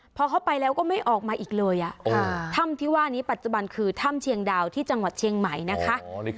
พอเข้าไปแล้วก็ไม่ออกมาอีกเลยถ้ำที่ว่านี้ปัจจุบันคือถ้ำเชียงดาวที่จังหวัดเชียงใหม่นะคะ